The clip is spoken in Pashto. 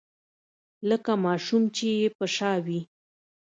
لکه ماشوم چې يې په شا وي.